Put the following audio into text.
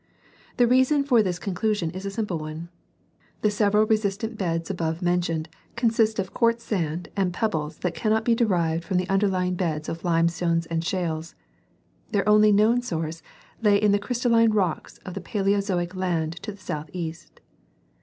The reason for this conclusion is a simple one. The several resistant beds above mentioned consist of quartz sand and pebbles that cannot be derived from the underlying beds of limestones and shales ; their only known source lay in the crys talline rocks of the paleozoic land to the southeast.